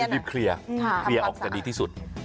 ที่เรียบเคลียร์ออกจะดีที่สุด